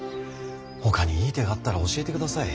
ほかにいい手があったら教えてください。